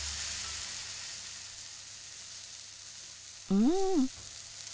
うん。